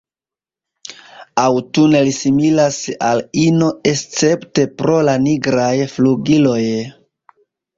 Aŭtune li similas al ino escepte pro la nigraj flugiloj.